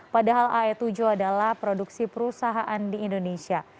padahal ae tujuh adalah produksi perusahaan di indonesia